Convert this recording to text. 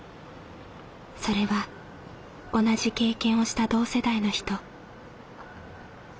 それは同じ経験をした同世代の人。